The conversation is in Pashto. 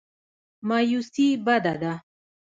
مایوسي بده ده.